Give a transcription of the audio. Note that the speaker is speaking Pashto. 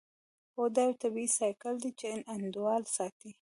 هو دا یو طبیعي سایکل دی چې انډول ساتي